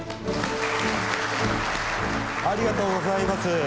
ありがとうございます